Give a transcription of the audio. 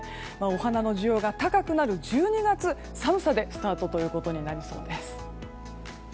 お花の需要が高くなる１２月寒さでスタートということになりそうです。